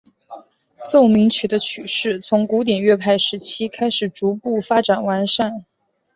奏鸣曲的曲式从古典乐派时期开始逐步发展完善。